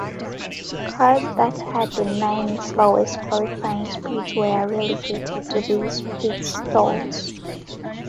Cars that had the nine slowest qualifying speeds were relegated to these pit stalls.